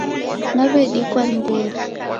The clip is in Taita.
Naw'edikwa ni mbori.